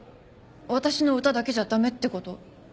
私の歌だけじゃ駄目ってこと？